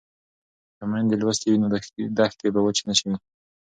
که میندې لوستې وي نو دښتې به وچې نه وي.